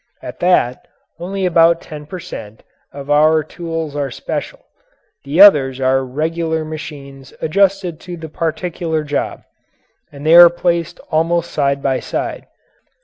At that, only about ten per cent. of our tools are special; the others are regular machines adjusted to the particular job. And they are placed almost side by side.